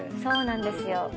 そうなんですよ。